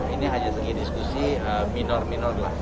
ini hanya segi diskusi minor minor lah